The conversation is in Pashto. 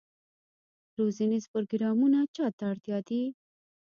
روزنیز پروګرامونه چا ته اړتیا دي؟